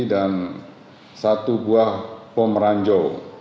dan satu buah pomeranjo